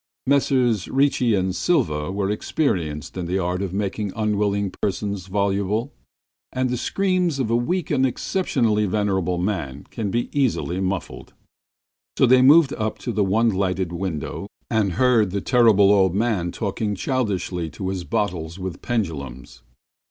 Messrs Ricci and Silva were experienced in the art of making unwilling persons voluble, and the screams of a weak and exceptionally venerable man can be easily muffled. So they moved up to the one lighted window and heard the Terrible Old Man talking childishly to his bottles with pendulums.